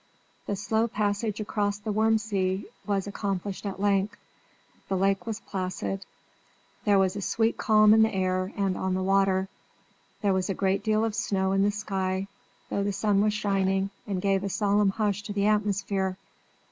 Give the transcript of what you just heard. The slow passage across the Wurm See was accomplished at length: the lake was placid; there was a sweet calm in the air and on the water; there was a great deal of snow in the sky, though the sun was shining and gave a solemn hush to the atmosphere.